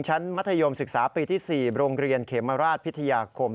มัธยมศึกษาปีที่๔โรงเรียนเขมราชพิทยาคม